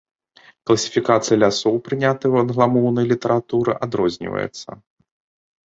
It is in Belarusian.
Класіфікацыя лясоў, прынятая ў англамоўнай літаратуры, адрозніваецца.